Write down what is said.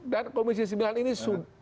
dan komisi sembilan ini